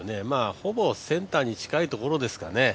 ほぼセンターに近いところですかね。